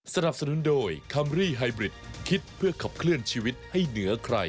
สนับสนุนโดยคัมรี่ไฮบริดคิดเพื่อขับเคลื่อนชีวิตให้เหนือใคร